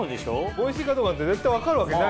おいしいかどうかって絶対分かるわけないじゃん。